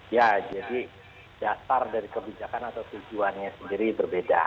ya jadi dasar dari kebijakan atau tujuannya sendiri berbeda